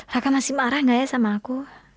raka masih marah ga ya sama aku